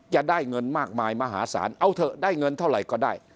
จะได้เงินมากมายมหาศาลเอาเถอะได้เงินเท่าไหร่ก็ได้